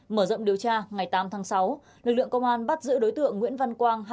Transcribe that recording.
mở rộng điều tra ngày tám tháng sáu lực lượng công an bắt giữ đối tượng nguyễn văn quang